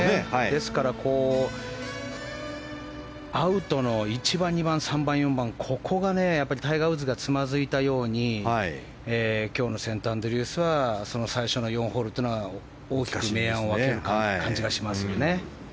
ですから、アウトの１番、２番、３番、４番ここがタイガー・ウッズがつまずいたように今日のセントアンドリュースはその最初の４ホールというのが大きく明暗を分ける感じがしますね。